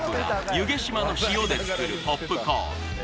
弓削島の塩で作るポップコーン